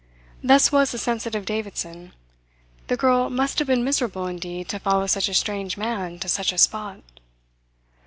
Thus was the sensitive Davidson. The girl must have been miserable indeed to follow such a strange man to such a spot.